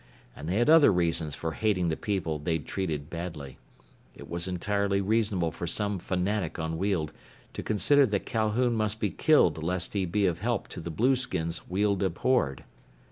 And they had other reasons for hating the people they'd treated badly. It was entirely reasonable for some fanatic on Weald to consider that Calhoun must be killed lest he be of help to the blueskins Weald abhorred.